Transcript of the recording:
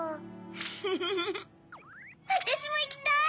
フフフ。あたしもいきたい！